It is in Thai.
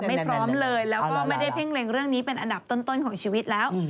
ไม่พร้อมเลยแล้วก็ไม่ได้เพ่งเล็งเรื่องนี้เป็นอันดับต้นของชีวิตแล้ว